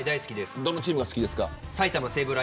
どのチーム好きですか。